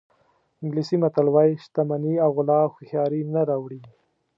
انګلیسي متل وایي شتمني او غلا هوښیاري نه راوړي.